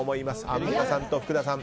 アンミカさん、福田さん